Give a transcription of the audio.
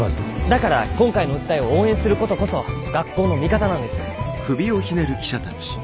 だから今回の訴えを応援する事こそ学校の味方なんです。